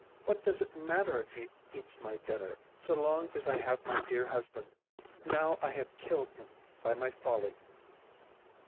What does it matter if he eats my dinner, so long as I have my dear husband? Now I have killed him by my folly."